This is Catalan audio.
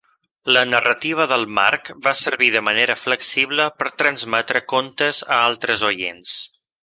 La narrativa del marc va servir de manera flexible per transmetre contes a altres oients.